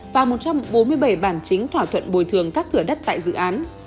và một trăm bốn mươi bảy bản chính thỏa thuận bồi thường các thửa đất tại dự án